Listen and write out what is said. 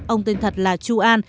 ông tên thật là chu an